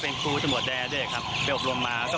พอผมได้ช่วยยายผมรู้สึกว่าเรา